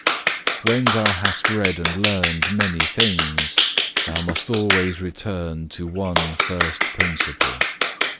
2. "When thou hast read and learned many things, thou must always return to one first principle.